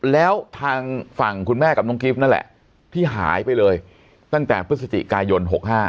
แล้วทางฝั่งคุณแม่กับน้องกิฟต์นั่นแหละที่หายไปเลยตั้งแต่พฤศจิกายน๖๕